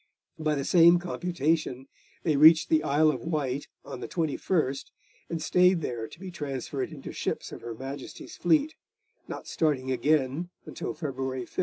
By the same computation, they reached the Isle of Wight on the 21st, and stayed there to be transferred into ships of Her Majesty's fleet, not starting again until February 5.